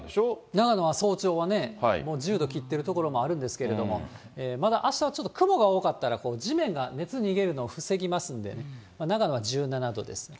長野は早朝はね、もう１０度切っている所もあるんですけれども、まだあしたはちょっと雲が多かったら、地面が熱逃げるのを防ぎますんで、長野は１７度です。